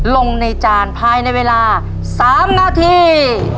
ลงในจานภายในเวลา๓นาที